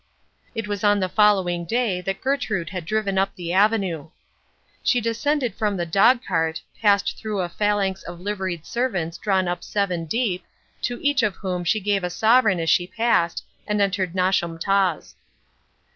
It was on the following day that Gertrude had driven up the avenue. She descended from the dogcart, passed through a phalanx of liveried servants drawn up seven deep, to each of whom she gave a sovereign as she passed and entered Nosham Taws.